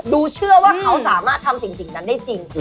เชื่อว่าเขาสามารถทำสิ่งนั้นได้จริง